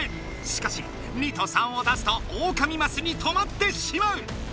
しかし２と３を出すとオオカミマスに止まってしまう！